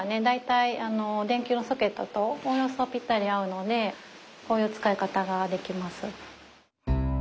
大体電球のソケットとおおよそぴったり合うのでこういう使い方ができます。